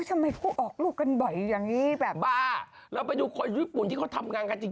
ทำไมเขาออกลูกกันบ่อยอย่างงี้แบบบ้าเราไปดูคนญี่ปุ่นที่เขาทำงานกันจริง